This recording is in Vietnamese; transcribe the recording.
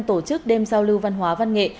tổ chức đêm giao lưu văn hóa văn nghệ